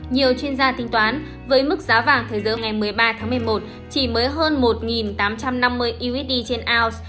nhiều chuyên gia tính toán với mức giá vàng thời giờ ngày một mươi ba tháng một mươi một chỉ mới hơn một tám trăm năm mươi usd trên ounce